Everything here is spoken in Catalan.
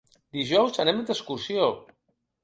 Dijous anem d'excursió.